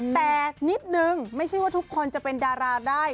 แต่นิดนึงไม่ใช่ว่าทุกคนจะเป็นดาราได้